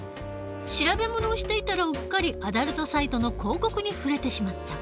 調べ物をしていたらうっかりアダルトサイトの広告に触れてしまった。